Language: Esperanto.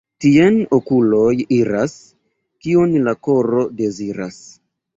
Tien okuloj iras, kion la koro deziras.